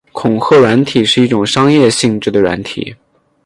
恐吓软体是一种商业性质的软体。